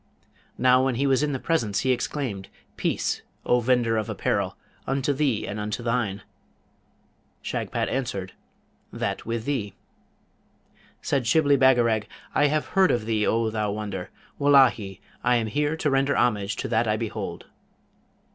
Now, when he was in the presence, he exclaimed, 'Peace, O vendor of apparel, unto thee and unto thine!' Shagpat answered, 'That with thee!' Said Shibli Bagarag, 'I have heard of thee, O thou wonder! Wullahy! I am here to render homage to that I behold.'